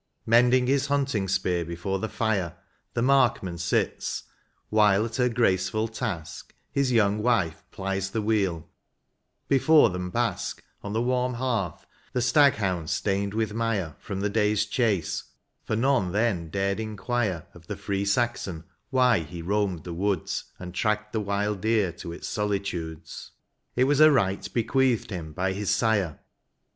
Mending his hunting spear before the fire The markman sits, while at her graceful task His young wife plies the wheel; before them bask, On the warm hearth, the stag hounds, stained with mire From the day's chase, for none then dared inquire Of the free Saxon why he roamed the woods. And tracked the wild deer to its solitudes, — It was a right bequeathed him by his sire.